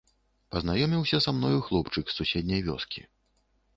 Пазнаёміўся са мною хлопчык з суседняй вёскі.